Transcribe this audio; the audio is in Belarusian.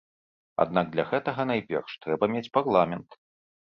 Аднак для гэтага, найперш, трэба мець парламент.